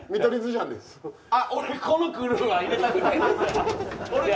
あっ俺このクルーは入れたくないですね。